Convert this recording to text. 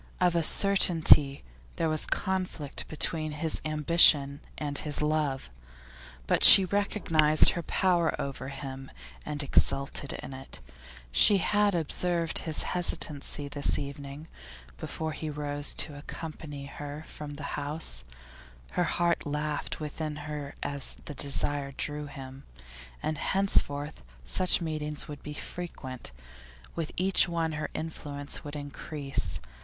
Of a certainty there was conflict between his ambition and his love, but she recognised her power over him and exulted in it. She had observed his hesitancy this evening, before he rose to accompany her from the house; her heart laughed within her as the desire drew him. And henceforth such meetings would be frequent, with each one her influence would increase.